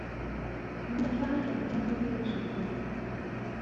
您的發言將會被直播